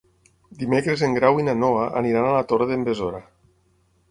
Dimecres en Grau i na Noa aniran a la Torre d'en Besora.